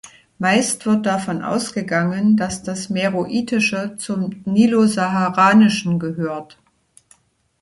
Meist wird davon ausgegangen, dass das Meroitische zum Nilosaharanischen gehört.